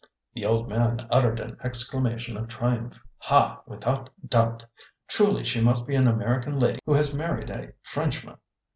The old man uttered an exclamation of triumph. "Ha! without doubt! Truly she must be an American lady who has married a Frenchman.